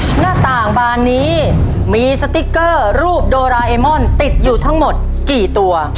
หน้าต่างบานนี้มีสติ๊กเกอร์รูปโดราเอมอนติดอยู่ทั้งหมดกี่ตัว